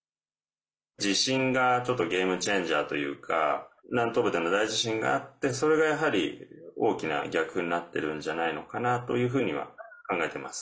地震が、ちょっとゲーム・チェンジャーというか南東部での大地震があってそれが、やはり大きな逆風になってるんじゃないのかなというふうには考えています。